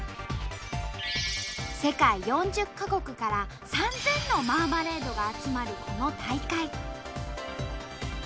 世界４０か国から３，０００のマーマレードが集まるこの大会。